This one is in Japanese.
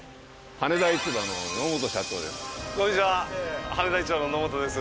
羽田市場の野本です。